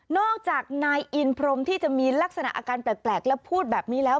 จากนายอินพรมที่จะมีลักษณะอาการแปลกและพูดแบบนี้แล้ว